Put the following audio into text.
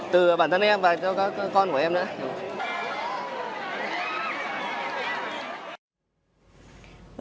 từ bản thân em và cho các con của em nữa